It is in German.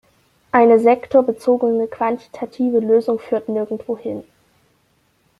Eine sektorbezogene, quantitative Lösung führt nirgendwo hin.